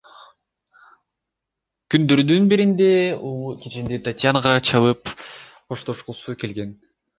Күндөрдүн биринде уулу кечинде Татьянага чалып, коштошкусу келген.